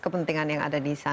apa yang terjadi di